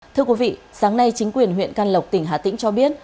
thưa quý vị sáng nay chính quyền huyện can lộc tỉnh hà tĩnh cho biết